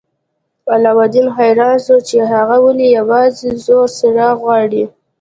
علاوالدین حیران شو چې هغه ولې یوازې زوړ څراغ غواړي.